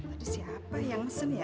ada siapa yang seni ya